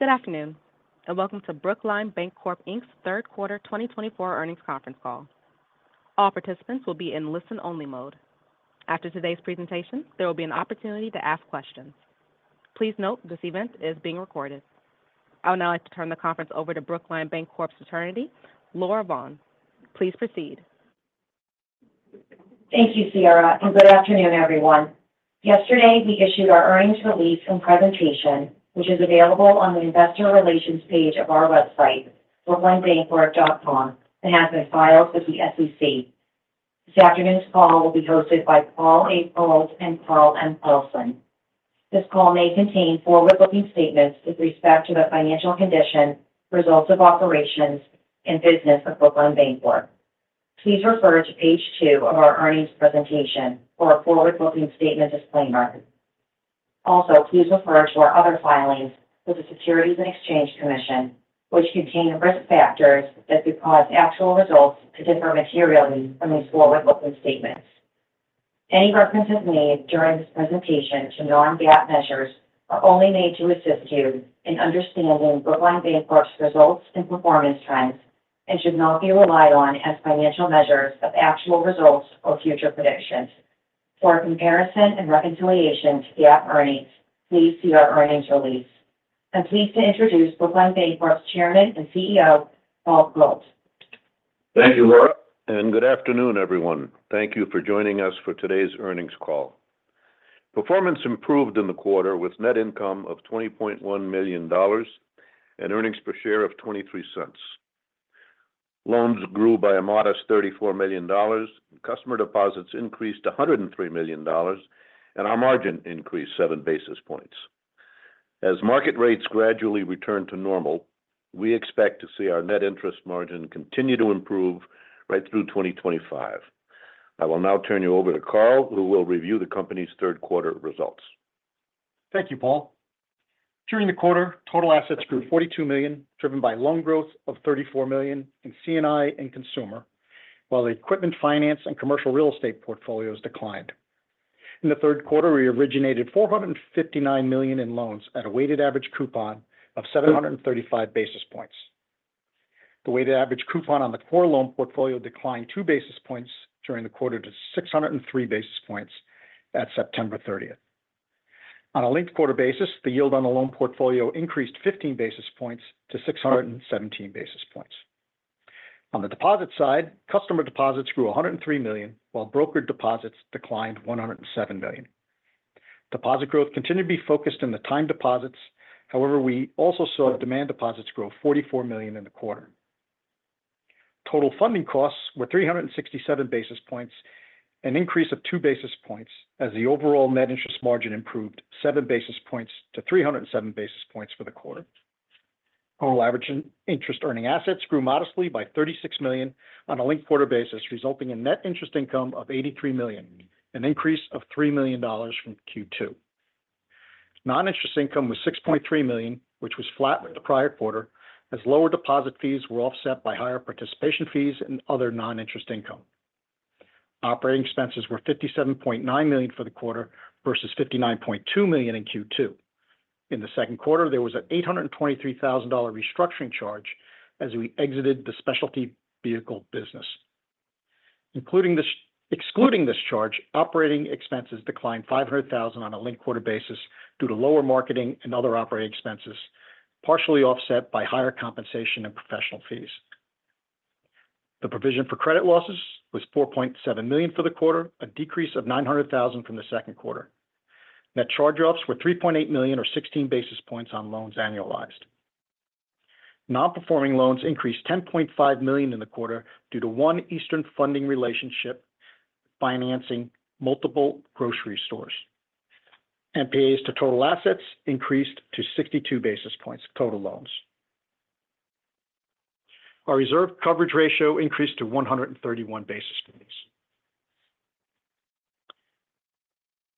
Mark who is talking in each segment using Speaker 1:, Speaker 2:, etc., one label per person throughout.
Speaker 1: Good afternoon, and welcome to Brookline Bancorp, Inc.'s third quarter 2024 earnings conference call. All participants will be in listen-only mode. After today's presentation, there will be an opportunity to ask questions. Please note, this event is being recorded. I would now like to turn the conference over to Brookline Bancorp's attorney, Laura Vaughn. Please proceed.
Speaker 2: Thank you, Sierra, and good afternoon, everyone. Yesterday, we issued our earnings release and presentation, which is available on the investor relations page of our website, brooklinebancorp.com, and has been filed with the SEC. This afternoon's call will be hosted by Paul A. Perrault and Carl M. Carlson. This call may contain forward-looking statements with respect to the financial condition, results of operations, and business of Brookline Bancorp. Please refer to page two of our earnings presentation for a forward-looking statement disclaimer. Also, please refer to our other filings with the Securities and Exchange Commission, which contain risk factors that could cause actual results to differ materially from these forward-looking statements. Any references made during this presentation to non-GAAP measures are only made to assist you in understanding Brookline Bancorp's results and performance trends and should not be relied on as financial measures of actual results or future predictions. For a comparison and reconciliation to GAAP earnings, please see our earnings release. I'm pleased to introduce Brookline Bancorp's Chairman and CEO, Paul Perrault.
Speaker 3: Thank you, Laura, and good afternoon, everyone. Thank you for joining us for today's earnings call. Performance improved in the quarter with net income of $20.1 million and earnings per share of $0.23. Loans grew by a modest $34 million, customer deposits increased to $103 million, and our margin increased 7 basis points. As market rates gradually return to normal, we expect to see our net interest margin continue to improve right through 2025. I will now turn you over to Carl, who will review the company's third quarter results.
Speaker 4: Thank you, Paul. During the quarter, total assets grew $42 million, driven by loan growth of $34 million in C&I and consumer, while the equipment finance and commercial real estate portfolios declined. In the third quarter, we originated $459 million in loans at a weighted average coupon of 735 basis points. The weighted average coupon on the core loan portfolio declined 2 basis points during the quarter to 603 basis points at September thirtieth. On a linked quarter basis, the yield on the loan portfolio increased 15 basis points to 617 basis points. On the deposit side, customer deposits grew $103 million, while brokered deposits declined $107 million. Deposit growth continued to be focused in the time deposits. However, we also saw demand deposits grow $44 million in the quarter. Total funding costs were 367 basis points, an increase of 2 basis points as the overall net interest margin improved 7 basis points to 307 basis points for the quarter. Total average interest-earning assets grew modestly by $36 million on a linked quarter basis, resulting in net interest income of $83 million, an increase of $3 million from Q2. Non-interest income was $6.3 million, which was flat with the prior quarter, as lower deposit fees were offset by higher participation fees and other non-interest income. Operating expenses were $57.9 million for the quarter versus $59.2 million in Q2. In the second quarter, there was an $823,000 restructuring charge as we exited the specialty vehicle business. Excluding this charge, operating expenses declined $500,000 on a linked-quarter basis due to lower marketing and other operating expenses, partially offset by higher compensation and professional fees. The provision for credit losses was $4.7 million for the quarter, a decrease of $900,000 from the second quarter. Net charge-offs were $3.8 million or 16 basis points on loans annualized. Non-performing loans increased $10.5 million in the quarter due to one Eastern Funding relationship, financing multiple grocery stores. NPAs to total assets increased to 62 basis points, total loans. Our reserve coverage ratio increased to 131 basis points.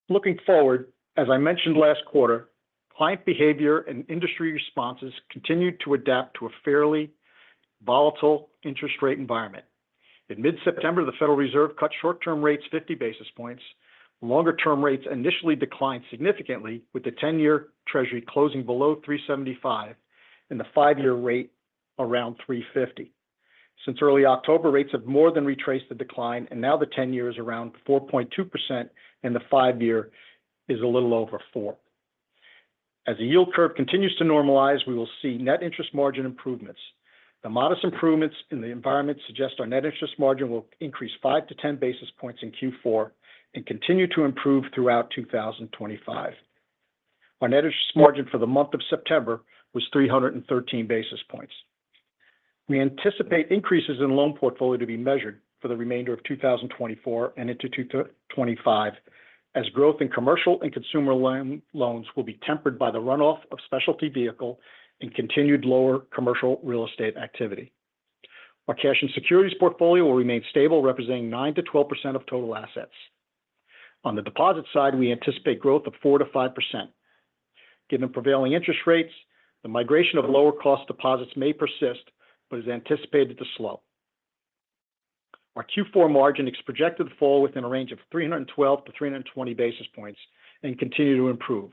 Speaker 4: Looking forward, as I mentioned last quarter, client behavior and industry responses continued to adapt to a fairly volatile interest rate environment. In mid-September, the Federal Reserve cut short-term rates 50 basis points. Longer-term rates initially declined significantly, with the ten-year treasury closing below 3.75% and the five-year rate around 3.50%. Since early October, rates have more than retraced the decline, and now the ten-year is around 4.2% and the five-year is a little over 4%. As the yield curve continues to normalize, we will see net interest margin improvements. The modest improvements in the environment suggest our net interest margin will increase five to 10 basis points in Q4 and continue to improve throughout 2025. Our net interest margin for the month of September was 313 basis points. We anticipate increases in loan portfolio to be measured for the remainder of 2024 and into 2025, as growth in commercial and consumer loans will be tempered by the runoff of specialty vehicle and continued lower commercial real estate activity. Our cash and securities portfolio will remain stable, representing 9%-12% of total assets. On the deposit side, we anticipate growth of 4%-5%. Given the prevailing interest rates, the migration of lower-cost deposits may persist but is anticipated to slow. Our Q4 margin is projected to fall within a range of 312-320 basis points and continue to improve.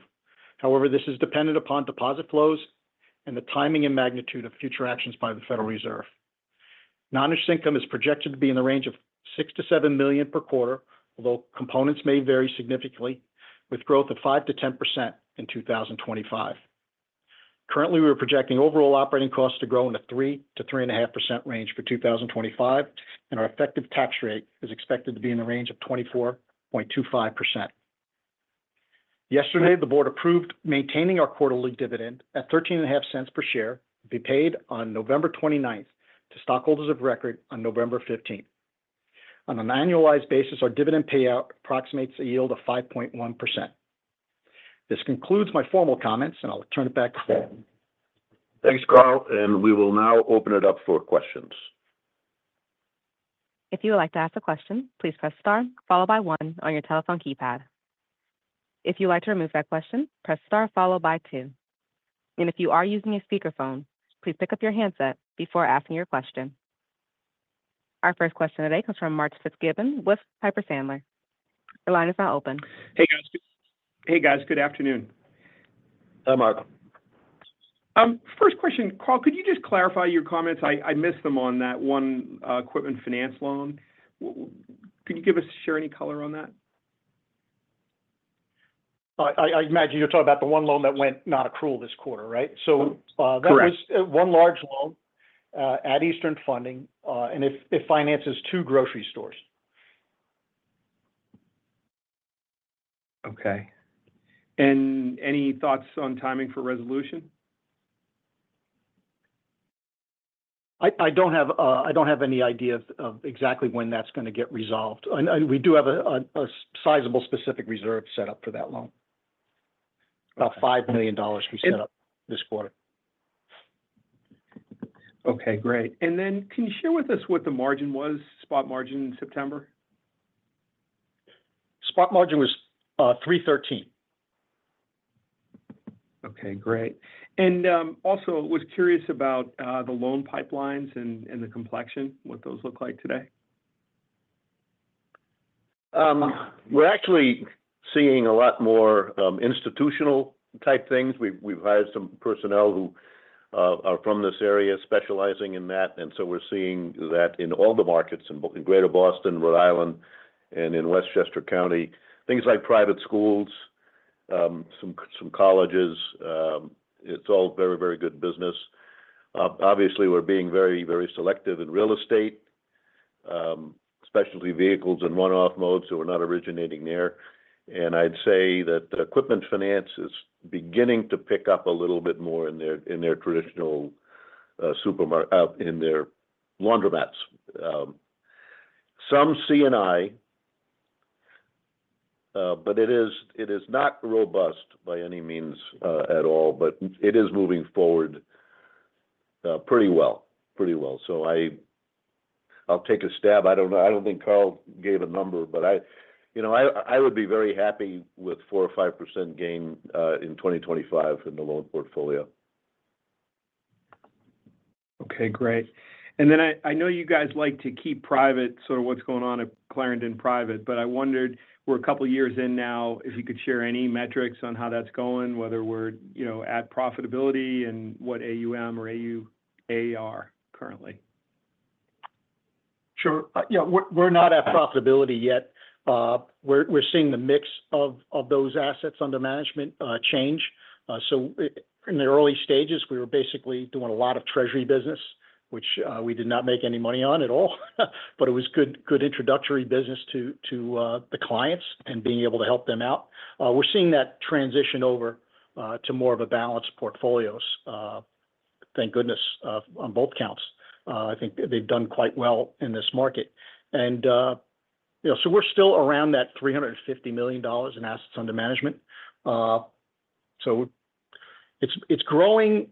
Speaker 4: However, this is dependent upon deposit flows and the timing and magnitude of future actions by the Federal Reserve. Non-interest income is projected to be in the range of $6 million-$7 million per quarter, although components may vary significantly, with growth of 5%-10% in 2025. Currently, we are projecting overall operating costs to grow in a 3-3.5% range for 2025, and our effective tax rate is expected to be in the range of 24% to 25%. Yesterday, the board approved maintaining our quarterly dividend at $0.135 per share, to be paid on November 29th, to stockholders of record on November 15th. On an annualized basis, our dividend payout approximates a yield of 5.1%. This concludes my formal comments, and I'll turn it back to Paul.
Speaker 3: Thanks, Carl, and we will now open it up for questions.
Speaker 1: If you would like to ask a question, please press star, followed by one on your telephone keypad. If you'd like to remove that question, press star, followed by two. And if you are using a speakerphone, please pick up your handset before asking your question. Our first question today comes from Mark Fitzgibbon with Piper Sandler. Your line is now open.
Speaker 5: Hey, guys. Hey, guys, good afternoon.
Speaker 3: Hi, Mark.
Speaker 5: First question, Carl, could you just clarify your comments? I missed them on that one, equipment finance loan. Can you give us or share any color on that?
Speaker 4: I imagine you're talking about the one loan that went nonaccrual this quarter, right?
Speaker 5: Correct.
Speaker 4: That was one large loan at Eastern Funding, and it finances two grocery stores.
Speaker 5: Okay. And any thoughts on timing for resolution?
Speaker 4: I don't have any idea of exactly when that's gonna get resolved. And we do have a sizable specific reserve set up for that loan. About $5 million we set up this quarter.
Speaker 5: Okay, great. And then can you share with us what the margin was, spot margin in September?
Speaker 4: Spot margin was 3.13.
Speaker 5: Okay, great, and also was curious about the loan pipelines and the complexion, what those look like today.
Speaker 3: We're actually seeing a lot more institutional type things. We've hired some personnel who are from this area specializing in that, and so we're seeing that in all the markets, in Greater Boston, Rhode Island, and in Westchester County. Things like private schools, some colleges, it's all very, very good business. Obviously, we're being very, very selective in real estate, specialty vehicles and in run-off mode, so we're not originating there. I'd say that equipment finance is beginning to pick up a little bit more in their traditional laundromats. Some C&I, but it is not robust by any means at all, but it is moving forward pretty well. Pretty well. I'll take a stab. I don't know. I don't think Carl gave a number, but I, you know, I would be very happy with 4% or 5% gain in 2025 in the loan portfolio.
Speaker 5: Okay, great. And then I know you guys like to keep private sort of what's going on at Clarendon Private, but I wondered, we're a couple of years in now, if you could share any metrics on how that's going, whether we're, you know, at profitability and what AUM or AUA currently?
Speaker 4: Sure. Yeah, we're not at profitability yet. We're seeing the mix of those assets under management change. So in the early stages, we were basically doing a lot of treasury business, which we did not make any money on at all, but it was good introductory business to the clients and being able to help them out. We're seeing that transition over to more of a balanced portfolios, thank goodness on both counts. I think they've done quite well in this market. And you know, so we're still around that $350 million in assets under management. So it's growing.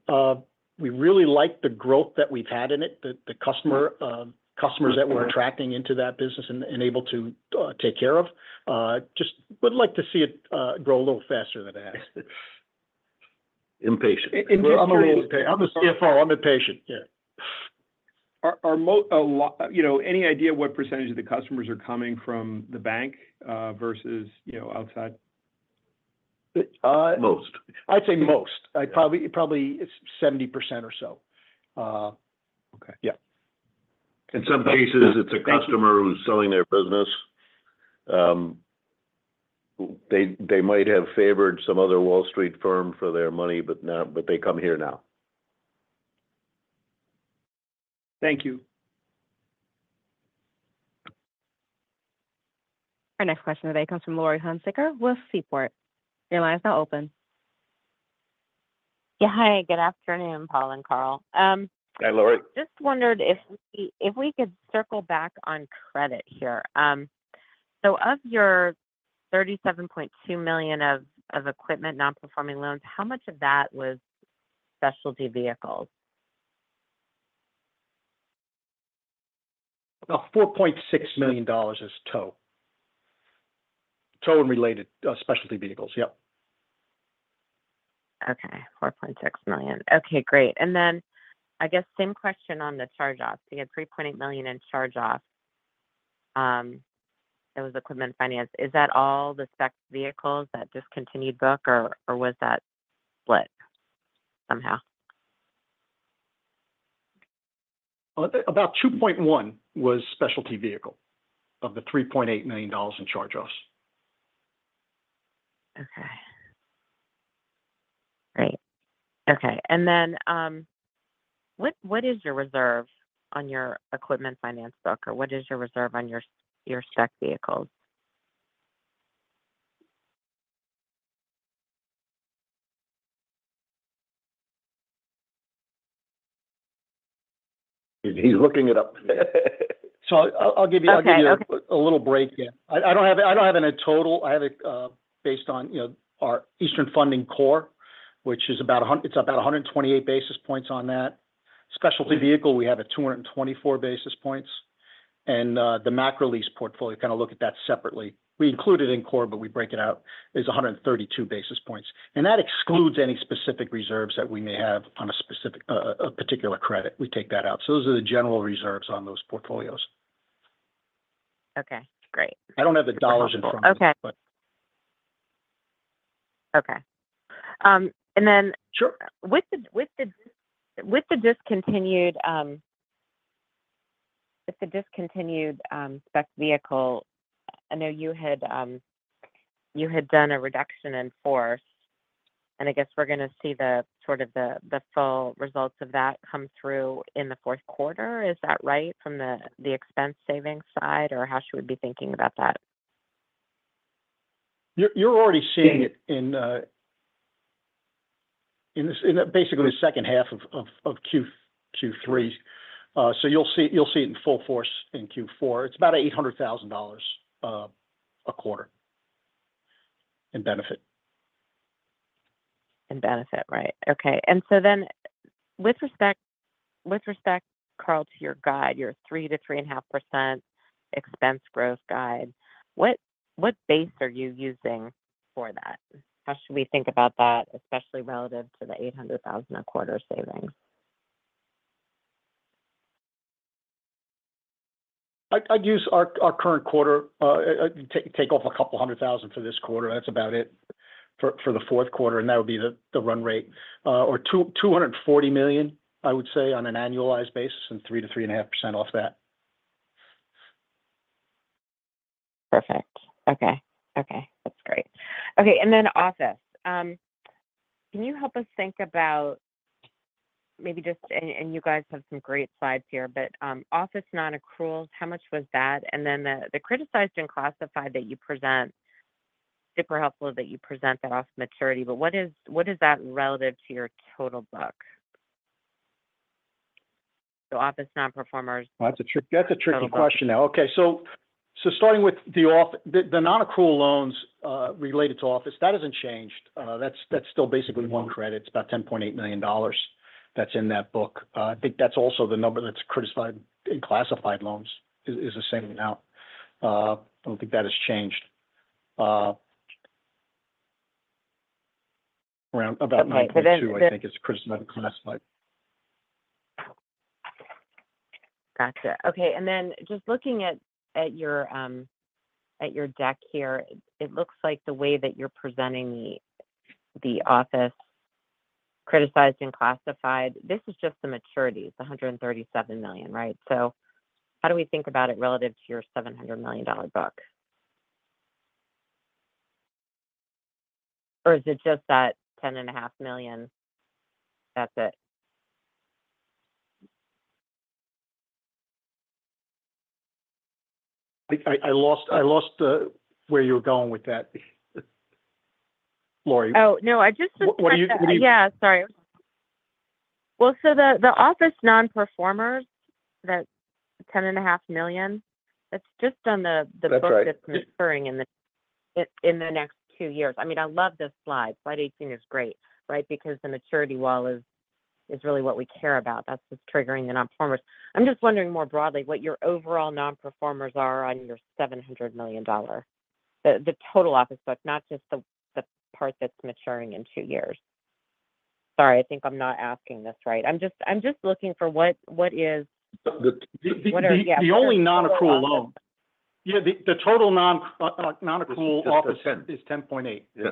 Speaker 4: We really like the growth that we've had in it, the customers that we're attracting into that business and able to take care of. Just would like to see it grow a little faster than it has.
Speaker 3: Impatient.
Speaker 4: I'm a little impatient. If I'm impatient, yeah.
Speaker 5: You know, any idea what percentage of the customers are coming from the bank versus, you know, outside?
Speaker 3: Most.
Speaker 4: I'd say most. I probably, it's 70% or so.
Speaker 5: Okay.
Speaker 4: Yeah.
Speaker 3: In some cases, it's a customer who's selling their business. They might have favored some other Wall Street firm for their money, but now they come here now.
Speaker 5: Thank you.
Speaker 1: Our next question today comes from Laurie Hunsicker with Seaport. Your line is now open.
Speaker 6: Yeah, hi, good afternoon, Paul and Carl.
Speaker 3: Hi, Laurie.
Speaker 6: Just wondered if we could circle back on credit here. So of your $37.2 million of equipment non-performing loans, how much of that was specialty vehicles?
Speaker 4: $4.6 million is tow and related specialty vehicles. Yep....
Speaker 6: Okay, $4.6 million. Okay, great. And then I guess same question on the charge-offs. You had $3.8 million in charge-off. It was equipment finance. Is that all the spec vehicles that discontinued book, or was that split somehow?
Speaker 4: About 2.1 was specialty vehicle of the $3.8 million in charge-offs.
Speaker 6: Okay. Great. Okay, and then, what is your reserve on your equipment finance book, or what is your reserve on your specialty vehicles? He's looking it up.
Speaker 4: So I'll give you-
Speaker 6: Okay...
Speaker 4: I'll give you a little break here. I don't have any total. I have it based on, you know, our Eastern Funding Corp, which is about a 128 basis points on that. Specialty vehicle, we have a 224 basis points. And the Macrolease portfolio, kind of look at that separately. We include it in Corp, but we break it out, is a 132. And that excludes any specific reserves that we may have on a specific a particular credit. We take that out. So those are the general reserves on those portfolios.
Speaker 6: Okay, great.
Speaker 4: I don't have the dollars in front of me-
Speaker 6: Okay...
Speaker 4: but.
Speaker 6: Okay. And then-
Speaker 4: Sure...
Speaker 6: with the discontinued spec vehicle, I know you had done a reduction in force, and I guess we're gonna see the full results of that come through in the fourth quarter. Is that right, from the expense savings side, or how should we be thinking about that?
Speaker 4: You're already seeing it in basically the H2 of Q2, Q3. So you'll see it in full force in Q4. It's about $800,000 a quarter in benefit.
Speaker 6: In benefit, right. Okay. And so then, with respect, Carl, to your guide, your 3%-3.5% expense growth guide, what base are you using for that? How should we think about that, especially relative to the $800,000 a quarter savings?
Speaker 4: I'd use our current quarter, take off a couple hundred thousand for this quarter. That's about it for the fourth quarter, and that would be the run rate. Or $240 million, I would say, on an annualized basis, and 3% to 3.5% off that.
Speaker 6: Perfect. Okay. Okay, that's great. Okay, and then office. Can you help us think about maybe just, and, and you guys have some great slides here, but, office nonaccruals, how much was that? And then the, the criticized and classified that you present, super helpful that you present that by maturity, but what is, what is that relative to your total book? So office nonperformers.
Speaker 4: That's a trick- that's a tricky question now. Okay, so starting with the office. The nonaccrual loans related to office, that hasn't changed. That's still basically one credit. It's about $10.8 million that's in that book. I think that's also the number that's criticized and classified loans, is the same now. I don't think that has changed. Around about nine point two-
Speaker 6: Okay, but then the-
Speaker 4: I think it's criticized and classified.
Speaker 6: Gotcha. Okay, and then just looking at your deck here, it looks like the way that you're presenting the office criticized and classified, this is just the maturities, $137 million, right? So how do we think about it relative to your $700 million book? Or is it just that $10.5 million, that's it?
Speaker 4: I lost where you were going with that, Laurie.
Speaker 6: Oh, no, I just-
Speaker 4: What do you-
Speaker 6: Yeah, sorry. Well, so the office nonperformers, that $10.5 million, that's just on the-
Speaker 4: That's right...
Speaker 6: the book that's maturing in the next two years. I mean, I love this slide. Slide 18 is great, right? Because the maturity wall is really what we care about. That's just triggering the nonperformers. I'm just wondering more broadly, what your overall nonperformers are on your $700 million total office book, not just the part that's maturing in two years. Sorry, I think I'm not asking this right. I'm just looking for what is the. What are, yeah-
Speaker 4: The only nonaccrual loan. Yeah, the total nonaccrual loans is 10.8.
Speaker 6: Yeah.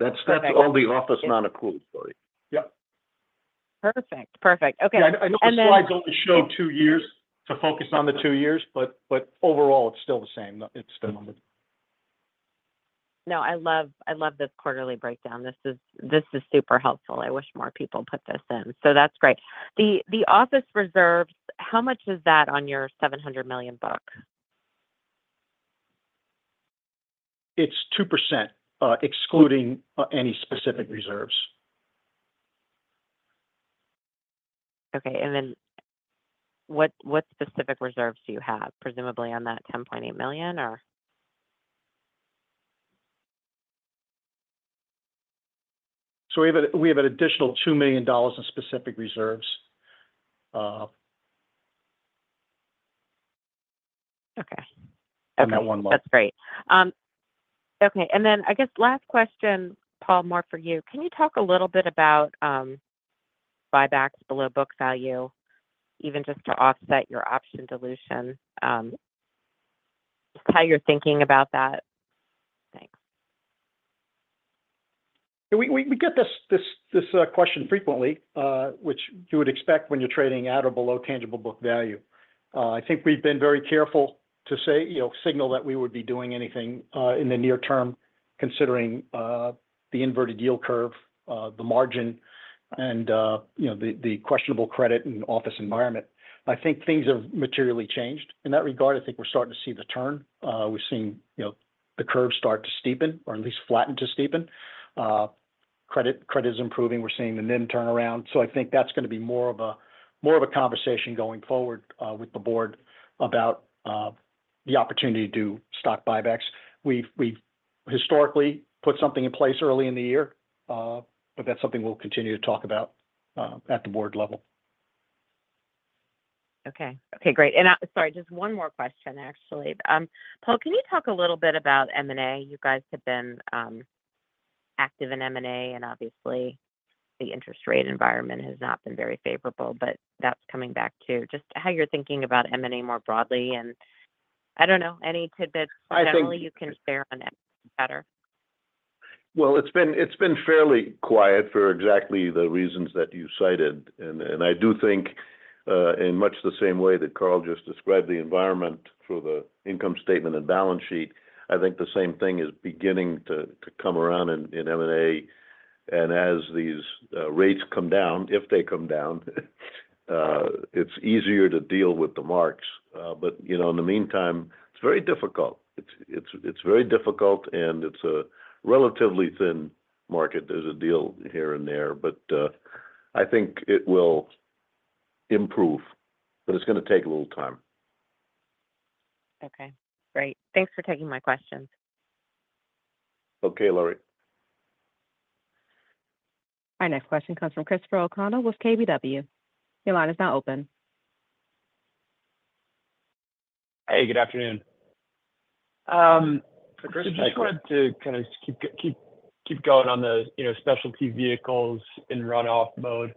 Speaker 6: That's, that's all the office nonaccrual, sorry.
Speaker 4: Yeah.
Speaker 6: Perfect. Perfect. Okay.
Speaker 4: Yeah, I know the slides only show two years to focus on the two years, but overall, it's still the same. It's the number.
Speaker 6: No, I love, I love this quarterly breakdown. This is, this is super helpful. I wish more people put this in. So that's great. The office reserves, how much is that on your $700 million book?
Speaker 4: It's 2%, excluding any specific reserves.
Speaker 6: Okay, and then what, what specific reserves do you have, presumably on that $10.8 million, or?
Speaker 4: We have an additional $2 million in Specific Reserves....
Speaker 6: Okay, that's great. Okay, and then I guess last question, Paul, more for you. Can you talk a little bit about buybacks below book value, even just to offset your option dilution, just how you're thinking about that? Thanks.
Speaker 4: We get this question frequently, which you would expect when you're trading at or below tangible book value. I think we've been very careful to say, you know, signal that we would be doing anything in the near term, considering the inverted yield curve, the margin, and, you know, the questionable credit and office environment. I think things have materially changed. In that regard, I think we're starting to see the turn. We've seen, you know, the curve start to steepen, or at least flatten to steepen. Credit is improving. We're seeing the NIM turnaround. So I think that's gonna be more of a, more of a conversation going forward with the board about the opportunity to do stock buybacks. We've historically put something in place early in the year, but that's something we'll continue to talk about at the board level.
Speaker 6: Okay. Okay, great. And, sorry, just one more question, actually. Paul, can you talk a little bit about M&A? You guys have been active in M&A, and obviously, the interest rate environment has not been very favorable, but that's coming back to just how you're thinking about M&A more broadly, and I don't know, any tidbits-
Speaker 3: I think-
Speaker 6: Generally, you can share on that better?
Speaker 3: Well, it's been fairly quiet for exactly the reasons that you cited. And I do think, in much the same way that Carl just described the environment for the income statement and balance sheet, I think the same thing is beginning to come around in M&A. And as these rates come down, if they come down, it's easier to deal with the marks. But, you know, in the meantime, it's very difficult. It's very difficult, and it's a relatively thin market. There's a deal here and there, but I think it will improve, but it's gonna take a little time.
Speaker 6: Okay, great. Thanks for taking my questions.
Speaker 3: Okay, Laurie.
Speaker 1: Our next question comes from Christopher O'Connell with KBW. Your line is now open.
Speaker 7: Hey, good afternoon.
Speaker 3: Christopher-
Speaker 7: I just wanted to kind of keep going on the, you know, specialty vehicles in runoff mode.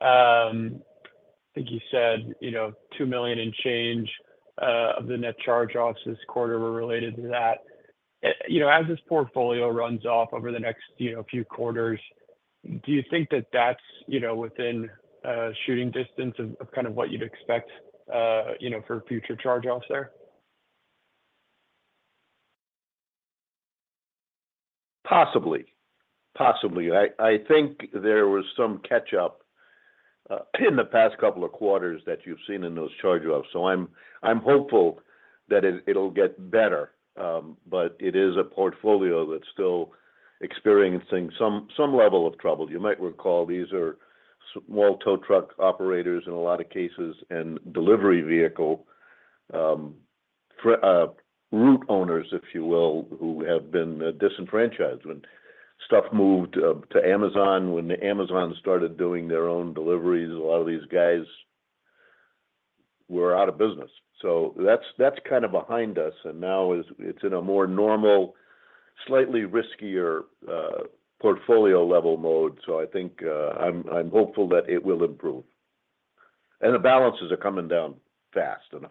Speaker 7: I think you said, you know, two million in change of the net charge-offs this quarter were related to that. You know, as this portfolio runs off over the next, you know, few quarters, do you think that that's, you know, within shooting distance of kind of what you'd expect, you know, for future charge-offs there?
Speaker 3: Possibly. Possibly. I, I think there was some catch up in the past couple of quarters that you've seen in those charge-offs. So I'm, I'm hopeful that it, it'll get better, but it is a portfolio that's still experiencing some, some level of trouble. You might recall, these are small tow truck operators in a lot of cases, and delivery vehicle route owners, if you will, who have been disenfranchised. When stuff moved to Amazon, when Amazon started doing their own deliveries, a lot of these guys were out of business. So that's, that's kind of behind us, and now it's in a more normal, slightly riskier portfolio level mode. So I think, I'm, I'm hopeful that it will improve. And the balances are coming down fast and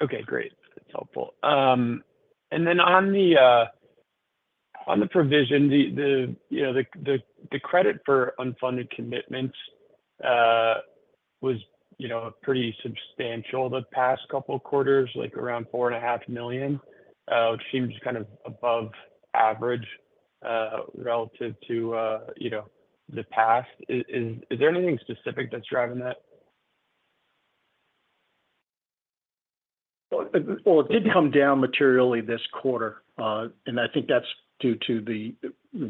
Speaker 3: hard.
Speaker 7: Okay, great. That's helpful. And then on the provision, you know, the credit for unfunded commitments was, you know, pretty substantial the past couple of quarters, like around $4.5 million, which seems kind of above average relative to, you know, the past. Is there anything specific that's driving that?
Speaker 4: It did come down materially this quarter, and I think that's due to the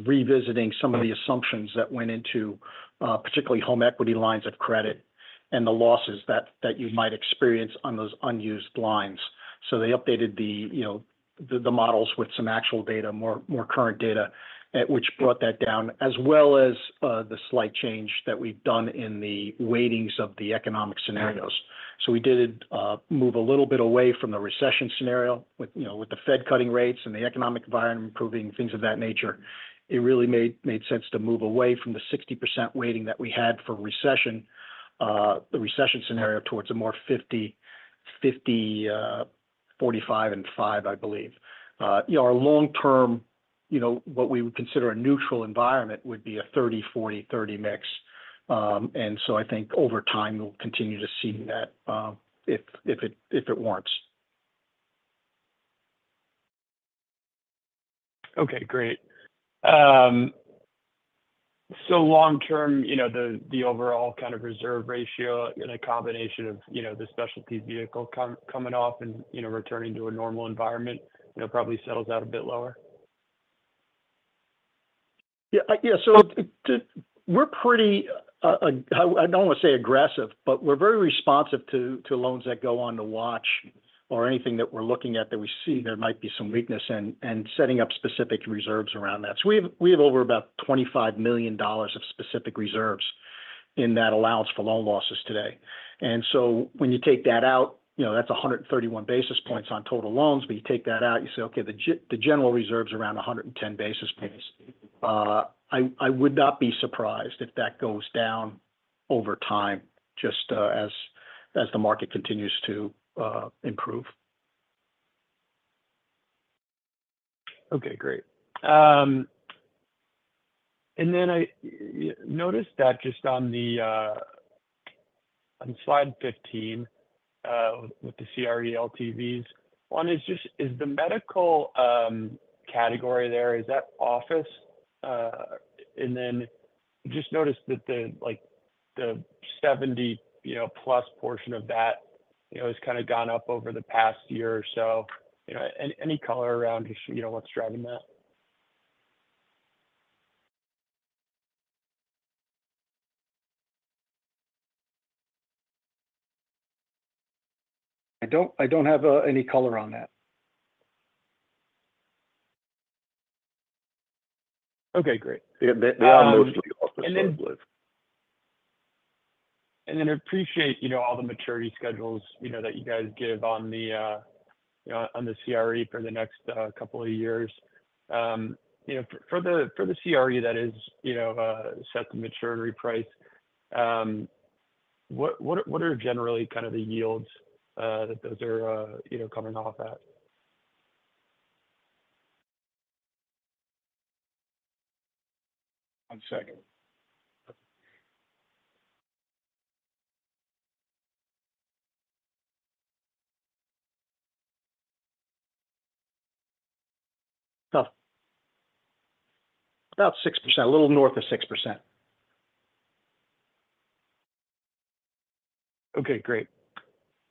Speaker 4: revisiting some of the assumptions that went into, particularly home equity lines of credit and the losses that you might experience on those unused lines. So they updated the, you know, the models with some actual data, more current data, which brought that down, as well as the slight change that we've done in the weightings of the economic scenarios. So we did move a little bit away from the recession scenario. With, you know, with the Fed cutting rates and the economic environment improving, things of that nature, it really made sense to move away from the 60% weighting that we had for recession, the recession scenario, towards a more fifty, fifty, forty-five and five, I believe. You know, our long-term, you know, what we would consider a neutral environment would be a 30, 40, 30 mix, and so I think over time, we'll continue to see that, if it warrants.
Speaker 7: Okay, great. So long term, you know, the overall kind of reserve ratio and a combination of, you know, the specialty vehicle coming off and, you know, returning to a normal environment, you know, probably settles out a bit lower?
Speaker 4: Yeah. Yeah, so we're pretty, I don't want to say aggressive, but we're very responsive to loans that go on the watch list or anything that we're looking at that we see there might be some weakness and setting up specific reserves around that. So we have over about $25 million of specific reserves, and that allows for loan losses today. And so when you take that out, you know, that's 131 basis points on total loans, but you take that out, you say, okay, the general reserve's around 110 basis points. I would not be surprised if that goes down over time, just, as the market continues to improve.
Speaker 7: Okay, great. And then I noticed that just on the on slide 15 with the CRE LTVs, one is the medical category there, is that office? And then just noticed that the, like, the 70 you know plus portion of that, you know, has kind of gone up over the past year or so. You know, any, any color around just, you know, what's driving that?
Speaker 4: I don't have any color on that.
Speaker 7: Okay, great.
Speaker 3: Yeah, they are mostly office-
Speaker 7: Appreciate, you know, all the maturity schedules, you know, that you guys give on the, you know, on the CRE for the next couple of years. You know, for the CRE that is, you know, set to maturity price, what are generally kind of the yields that those are, you know, coming off at?
Speaker 4: One second. About 6%, a little north of 6%.
Speaker 7: Okay, great.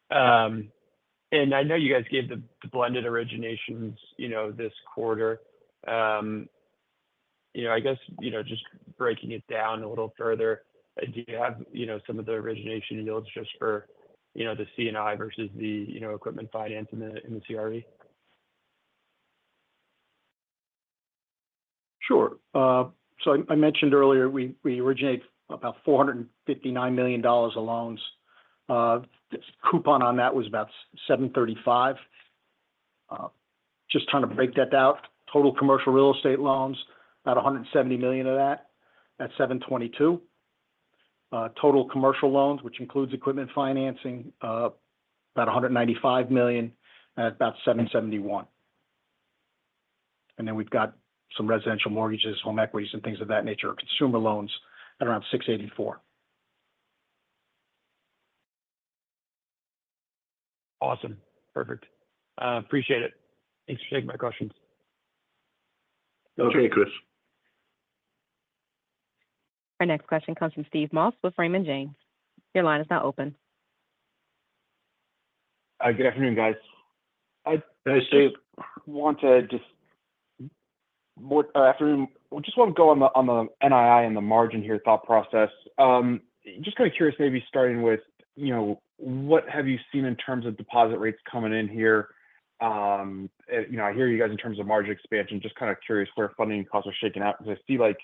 Speaker 7: And I know you guys gave the blended originations, you know, this quarter. You know, I guess, you know, just breaking it down a little further, do you have, you know, some of the origination yields just for, you know, the C&I versus the equipment finance in the CRE?
Speaker 4: Sure. So I mentioned earlier we originate about $459 million of loans. The coupon on that was about 7.35%. Just trying to break that down. Total commercial real estate loans, about $170 million of that, at 7.22%. Total commercial loans, which includes equipment financing, about $195 million, at about 7.71%. And then we've got some residential mortgages, home equities, and things of that nature, consumer loans at around 6.84%.
Speaker 7: Awesome. Perfect. Appreciate it. Thanks for taking my questions.
Speaker 4: Okay, Chris.
Speaker 1: Our next question comes from Steve Moss with Raymond James. Your line is now open.
Speaker 8: Good afternoon, guys.
Speaker 4: Hi, Steve.
Speaker 8: Morning. I just want to go on the NII and the margin here's the thought process. Just kind of curious, maybe starting with, you know, what have you seen in terms of deposit rates coming in here? You know, I hear you guys in terms of margin expansion, just kind of curious where funding costs are shaking out, because I see, like,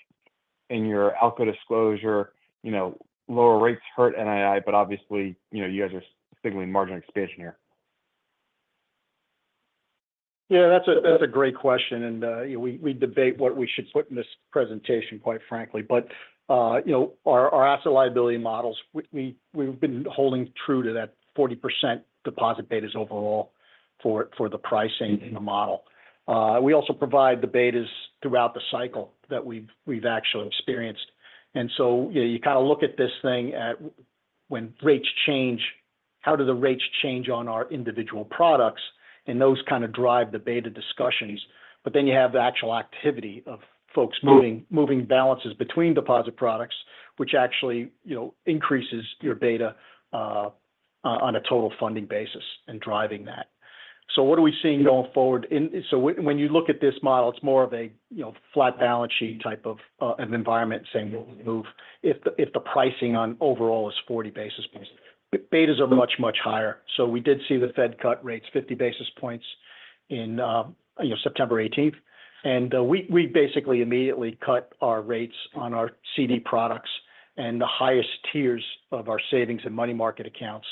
Speaker 8: in your outlook disclosure, you know, lower rates hurt NII, but obviously, you know, you guys are signaling margin expansion here.
Speaker 4: Yeah, that's a great question, and we debate what we should put in this presentation, quite frankly. But you know, our asset liability models, we've been holding true to that 40% deposit betas overall for the pricing in the model. We also provide the betas throughout the cycle that we've actually experienced. And so you kind of look at this thing at when rates change, how do the rates change on our individual products? And those kind of drive the beta discussions. But then you have the actual activity of folks moving balances between deposit products, which actually, you know, increases your beta on a total funding basis and driving that. So what are we seeing going forward? And so when you look at this model, it's more of a, you know, flat balance sheet type of an environment saying we'll move if the pricing on overall is 40 basis points. Betas are much, much higher. So we did see the Fed cut rates 50 basis points in, you know, September eighteenth. And we basically immediately cut our rates on our CD products and the highest tiers of our savings and money market accounts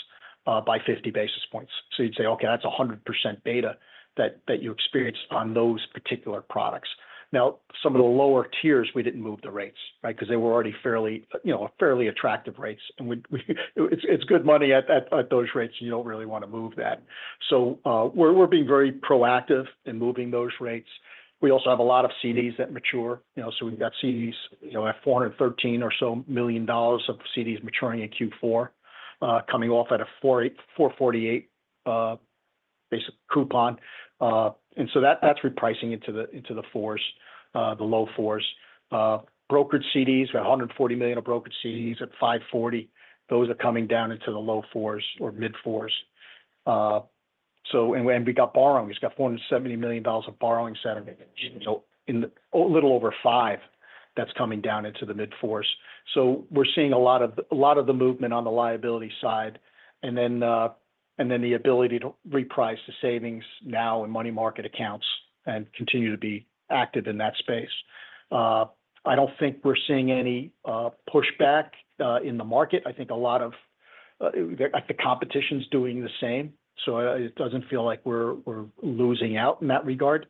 Speaker 4: by 50 basis points. So you'd say, okay, that's 100% beta that you experienced on those particular products. Now, some of the lower tiers, we didn't move the rates, right? Because they were already fairly, you know, fairly attractive rates. And we, it's good money at those rates. You don't really want to move that. We're being very proactive in moving those rates. We also have a lot of CDs that mature. You know, so we've got CDs, you know, at $413 million or so of CDs maturing in Q4, coming off at a 4.84% basic coupon. And so that's repricing into the fours, the low fours. Brokered CDs, $140 million of brokered CDs at 5.40%. Those are coming down into the low fours or mid-fours. So we got borrowing. We just got $170 million of borrowing settlement, so at a little over 5%. That's coming down into the mid-fours. So we're seeing a lot of the movement on the liability side, and then the ability to reprice the savings now in money market accounts and continue to be active in that space. I don't think we're seeing any pushback in the market. I think a lot of the, like, the competition's doing the same, so it doesn't feel like we're losing out in that regard.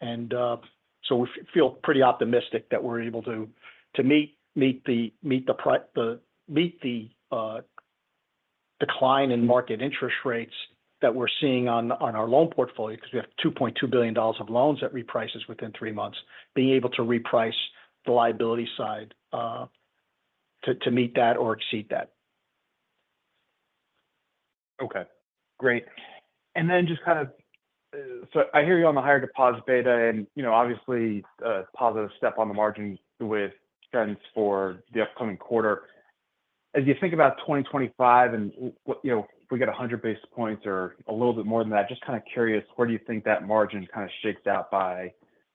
Speaker 4: And so we feel pretty optimistic that we're able to meet the decline in market interest rates that we're seeing on our loan portfolio, 'cause we have $2.2 billion of loans that reprices within three months. Being able to reprice the liability side to meet that or exceed that.
Speaker 8: Okay, great. And then just kind of, so I hear you on the higher deposit beta and, you know, obviously, a positive step on the margin with trends for the upcoming quarter. As you think about 2025 and you know, if we get 100 basis points or a little bit more than that, just kind of curious, where do you think that margin kind of shakes out by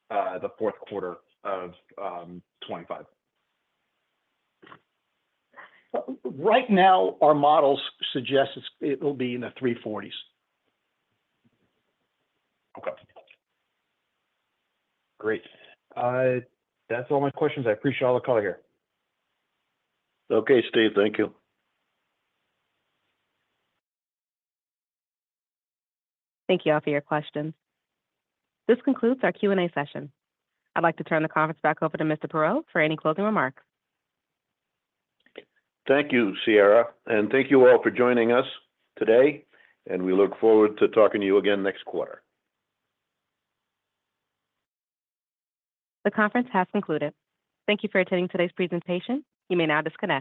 Speaker 8: the fourth quarter of 2025?
Speaker 4: Right now, our models suggest it's, it'll be in the three forties.
Speaker 8: Okay. Great. That's all my questions. I appreciate all the color here.
Speaker 3: Okay, Steve. Thank you.
Speaker 1: Thank you all for your questions. This concludes our Q&A session. I'd like to turn the conference back over to Mr. Perrault for any closing remarks.
Speaker 3: Thank you, Sierra, and thank you all for joining us today, and we look forward to talking to you again next quarter.
Speaker 1: The conference has concluded. Thank you for attending today's presentation. You may now disconnect.